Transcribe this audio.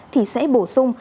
thì sẽ bổ sung